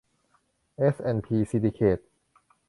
เอส แอนด์ พี ซินดิเคท